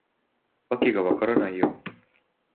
わけが分からないよ